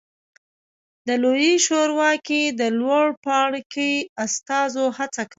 د لویې شورا کې د لوړ پاړکي استازو هڅه کوله